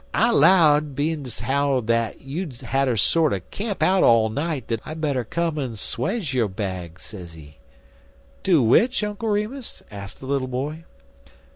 I 'low'd, bein's how dat you'd hatter sorter camp out all night dat I'd better come en swaje yo' bag,' sezee." "Do which, Uncle Remus?" asked the little boy.